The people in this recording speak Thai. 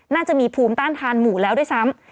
น่าจะมีภูมิต้านทานหมู่แล้วด้วยซ้ำ